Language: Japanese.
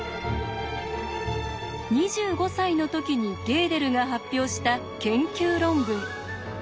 ２５歳の時にゲーデルが発表した研究論文。